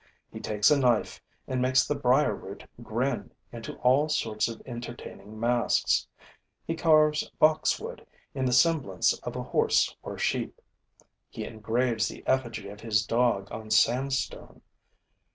He takes a knife and makes the briar root grin into all sorts of entertaining masks; he carves boxwood in the semblance of a horse or sheep; he engraves the effigy of his dog on sandstone.